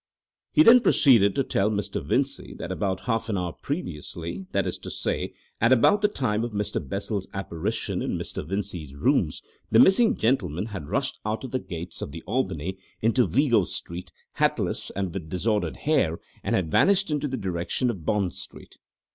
He then proceeded to tell Mr. Vincey that about half an hour previously, that is to say, at about the time of Mr. Bessel's apparition in Mr. Vincey's rooms, the missing gentleman had rushed out of the gates of the Albany into Vigo Street, hatless and with disordered hair, and had vanished into the direction of Bond Street.